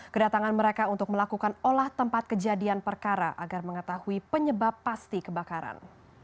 kedatangan mereka untuk melakukan olah tempat kejadian perkara agar mengetahui penyebab pasti kebakaran